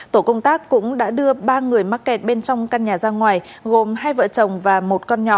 tổ công tác cũng đã đưa ba người mắc kẹt bên trong căn nhà ra ngoài gồm hai vợ chồng và một con nhỏ